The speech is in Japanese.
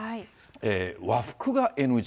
和服がＮＧ。